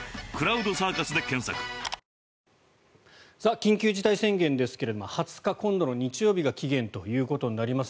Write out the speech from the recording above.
緊急事態宣言ですが２０日、今度の日曜日が期限ということになります。